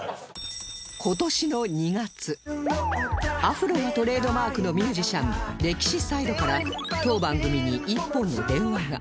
アフロがトレードマークのミュージシャンレキシサイドから当番組に１本の電話が